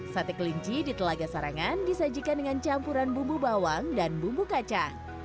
sate kelinci di telaga sarangan disajikan dengan campuran bumbu bawang dan bumbu kaca